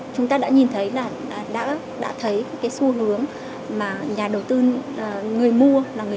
chúng ta đã nhìn thấy đã thấy cái xu hướng mà nhà đầu tư người mua